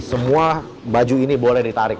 semua baju ini boleh ditarik